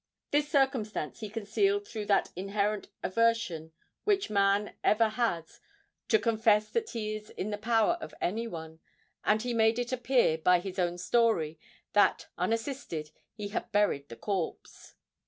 This circumstance he concealed through that inherent aversion which man ever has to confess that he is in the power of any one; and he made it appear, by his own story, that, unassisted, he had buried the corpse.